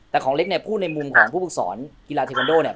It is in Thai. แต่ของเล็กเนี่ยพูดในมุมของผู้ฝึกสอนกีฬาเทควันโดเนี่ย